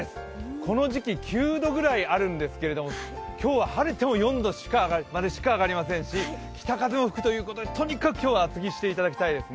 この時期、９度ぐらいあるんですけれども、今日は晴れても４度ぐらいにしか上がりませんし、北風も吹くということでとにかく今日は厚着していただきたいですね。